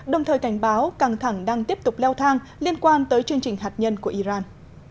đồng thời cảnh báo căng thẳng đang tiếp tục leo thang liên quan tới chương trình hạt nhân của iran